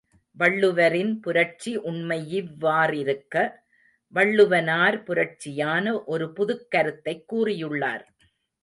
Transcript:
வள்ளுவரின் புரட்சி உண்மை யிவ்வாறிருக்க, வள்ளுவனார் புராட்சியான ஒரு புதுக்கருத்தைக் கூறியுள்ளார்.